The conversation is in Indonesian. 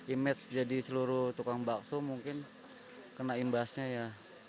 image jadi seluruh tukang bakso mungkin kena imbasnya ya